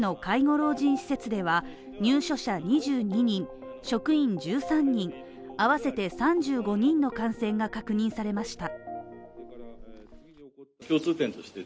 老人施設では入所者２２人、職員１３人、合わせて３５人の感染が確認されました